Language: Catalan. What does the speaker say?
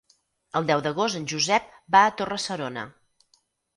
El deu d'agost en Josep va a Torre-serona.